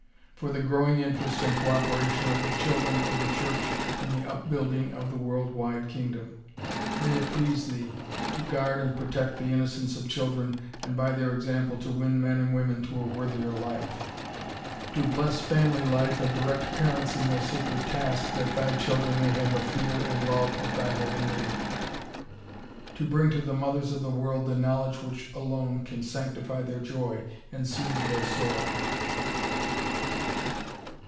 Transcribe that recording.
For the growing interest and co operation of the children of the Church in the up building of the world wide Kingdom. May it please Thee To guard and protect the innocence of children, and by their example to win men and women to a worthier life. To bless family life, and direct parents in their sacred task, that Thy children may have a fear and love of Thy Holy Name. To bring to the mothers of the world the knowledge which alone can sanctify their joy and soothe their sorrow.